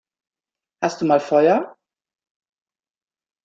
Hast du mal Feuer?